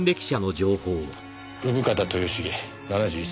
生方豊茂７１歳。